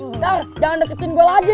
ntar jangan deketin gue lagi